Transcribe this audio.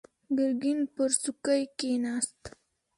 ګرګين پر څوکۍ کېناست.